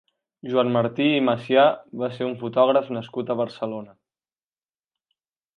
Joan Martí i Macià va ser un fotògraf nascut a Barcelona.